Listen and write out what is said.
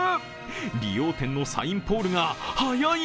理容店のサインポールが速い！